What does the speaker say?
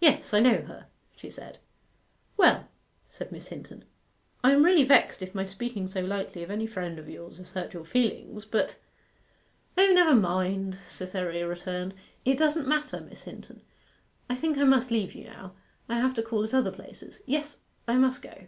'Yes, I know her,' she said. 'Well,' said Miss Hinton, 'I am really vexed if my speaking so lightly of any friend of yours has hurt your feelings, but ' 'O, never mind,' Cytherea returned; 'it doesn't matter, Miss Hinton. I think I must leave you now. I have to call at other places. Yes I must go.